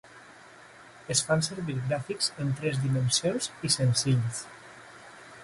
Es fan servir gràfics en tres dimensions i senzills.